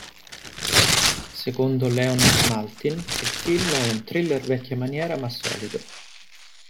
Secondo Leonard Maltin il film è "un thriller vecchia maniera ma solido".